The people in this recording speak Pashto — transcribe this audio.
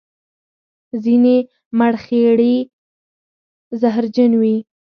ځینې مرخیړي زهرجن وي